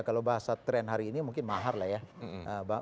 kalau bahasa tren hari ini mungkin mahar lah ya